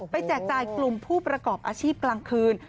แจกจ่ายกลุ่มผู้ประกอบอาชีพกลางคืน